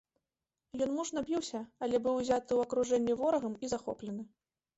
Ён мужна біўся, але быў узяты ў акружэнне ворагам і захоплены.